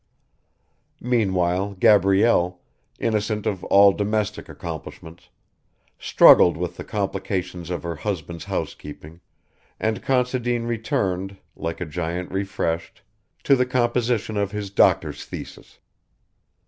Meanwhile Gabrielle, innocent of all domestic accomplishments, struggled with the complications of her husband's housekeeping, and Considine returned, like a giant refreshed, to the composition of his doctor's thesis.